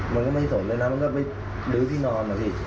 มันก็ไม่สนเลยนะก็เลยลูกพี่นอนกันสิ